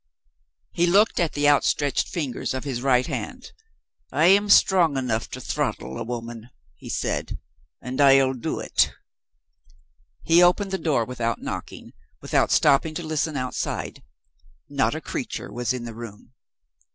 He looked at the outstretched fingers of his right hand. "I am strong enough to throttle a woman," he said, "and I'll do it." He opened the door without knocking, without stopping to listen outside. Not a creature was in the room.